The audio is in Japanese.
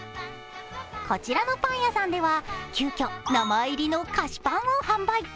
こちらのパン屋さんでは急きょ名前入りの菓子パンを販売。